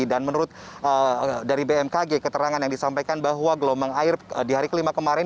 dan menurut dari bmkg keterangan yang disampaikan bahwa gelombang air di hari ke lima kemarin